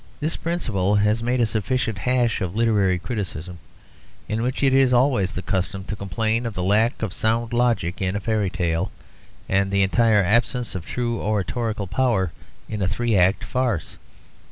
This principle has made a sufficient hash of literary criticism, in which it is always the custom to complain of the lack of sound logic in a fairy tale, and the entire absence of true oratorical power in a three act farce.